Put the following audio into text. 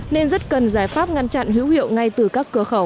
nên rất cần giải pháp ngăn chặn hữu hiệu ngay từ các cửa khẩu